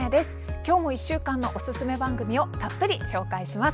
きょうも１週間のおすすめ番組をたっぷり紹介します。